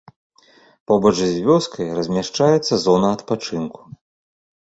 Побач з вёскай размяшчаецца зона адпачынку.